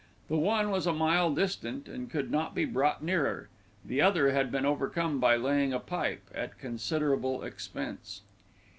The one was a mile distant and could not be brought nearer; the other had been overcome by laying a pipe, at considerable expense.